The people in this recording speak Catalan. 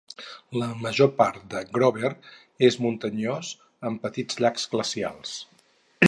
La major part de Grover és muntanyós, amb petits llacs glacials.